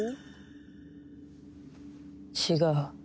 違う。